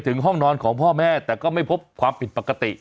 ห้องนอนของพ่อแม่แต่ก็ไม่พบความผิดปกติ